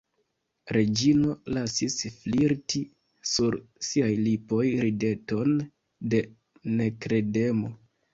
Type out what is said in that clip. Reĝino lasis flirti sur siaj lipoj rideton de nekredemo.